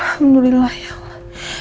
alhamdulillah ya allah